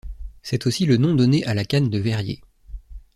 C'est aussi le nom donné à la canne de verrier.